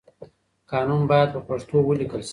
قانون بايد په پښتو وليکل شي.